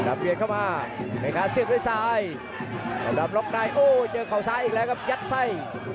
ดับเบียดเข้ามาเมฆ่าเสื้อด้วยซ้ายแล้วดับล็อกได้โอ้เจอเขาซ้ายอีกแล้วกับยัดไส้